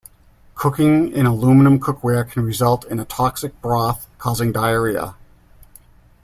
Cooking in aluminum cookware can result in a toxic broth, causing diarrhea.